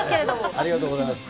ありがとうございます。